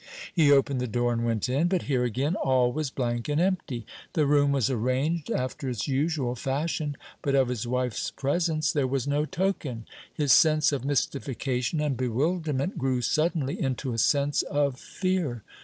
He opened the door and went in; but here again all was blank and empty. The room was arranged after its usual fashion; but of his wife's presence there was no token. His sense of mystification and bewilderment grew suddenly into a sense of fear.